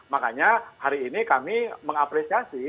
makanya hari ini kami mengapresiasi